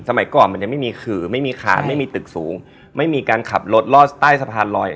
สมัยก่อนมันยังไม่มีขื่อไม่มีขาดไม่มีตึกสูงไม่มีการขับรถรอดใต้สะพานลอย